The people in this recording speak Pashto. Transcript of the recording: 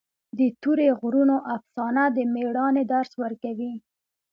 د تورې غرونو افسانه د مېړانې درس ورکوي.